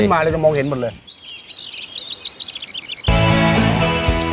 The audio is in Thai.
คือมองที่เราขึ้นมาเลยจะมองเห็นหมดเลย